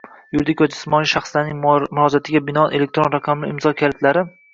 yuridik va jismoniy shaxslarning murojaatiga binoan elektron raqamli imzolar kalitlari